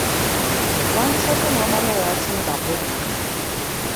Wandisoose n'omanya lwaki mbagobye.